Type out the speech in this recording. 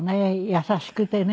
優しくてね。